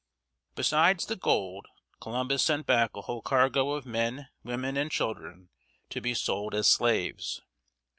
Besides the gold, Columbus sent back a whole cargo of men, women, and children, to be sold as slaves.